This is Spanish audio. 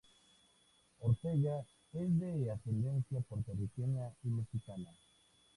Ortega es de ascendencia puertorriqueña y mexicana.